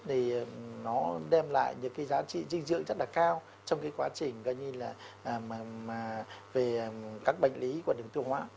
thì nó đem lại những giá trị dinh dưỡng rất là cao trong quá trình về các bệnh lý của đường tiêu hóa